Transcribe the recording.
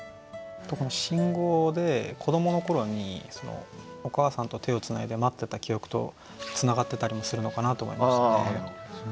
信号で子どもの頃にお母さんと手をつないで待ってた記憶とつながってたりもするのかなと思いましたね。